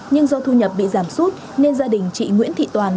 nhưng do thu nhập bị giảm sút nên gia đình chị nguyễn thị toàn